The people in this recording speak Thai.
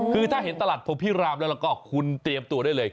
คือถ้าเห็นตลาดโพพิรามแล้วก็คุณเตรียมตัวได้เลย